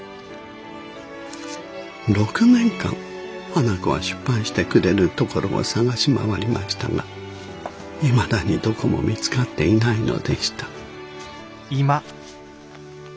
６年間花子は出版してくれるところを探し回りましたがいまだにどこも見つかっていないのでした。